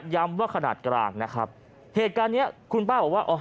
ว่าขนาดกลางนะครับเหตุการณ์เนี้ยคุณป้าบอกว่าอ๋อ